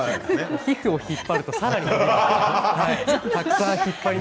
皮膚を引っ張るとさらに。